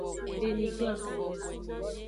Beniglan.